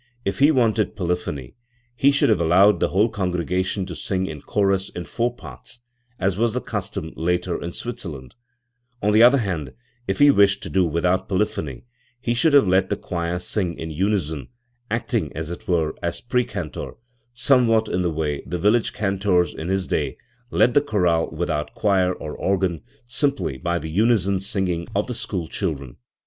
If he wanted polyphony, he should have allowed the whole congregation to sing in chorus in four parts, as was the custom later in Switzerland; on the other hand, if he wished to do without polyphony, he should have lot the choir sing in unison, acting, as it were, as precentor, somewhat in the way the village cantors in his day led the. chorale without choir or organ, simply by the unison singing of the school children.